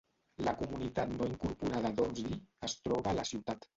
La comunitat no incorporada d'Ormsby es troba a la ciutat.